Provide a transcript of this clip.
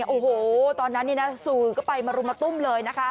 โอ้โหตอนนั้นสูงก็ไปมารุมตุ้มเลยนะคะ